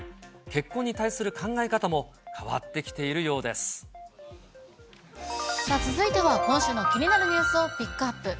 結婚に対する考え方も変わっ続いては、今週の気になるニュースをピックアップ。